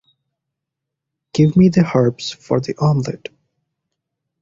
Give me the herbs for the omelette.